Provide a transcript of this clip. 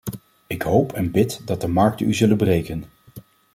Ik hoop en bid dat de markten u zullen breken.